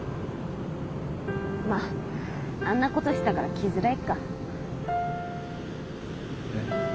まっあんなことしたから来づらいか。